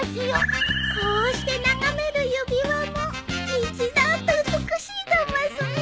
こうして眺める指輪も一段と美しいざますね。